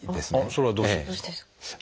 それはどうしてですか？